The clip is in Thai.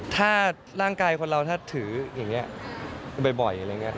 ถ้าร่างกายคนเราถือแบบนี้บ่อยอย่างนี้